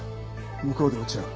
向こうで落ち合う。